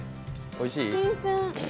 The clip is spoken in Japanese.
おいしい。